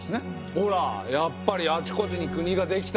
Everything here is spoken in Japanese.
ほらやっぱりあちこちに国ができたんだよ。